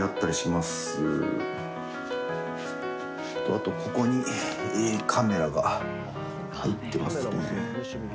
あと、ここにカメラが入っていますね。